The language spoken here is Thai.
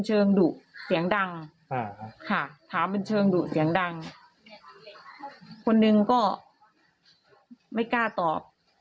เชิงดุเสียงดังค่ะถามเป็นเชิงดุเสียงดังคนหนึ่งก็ไม่กล้าตอบ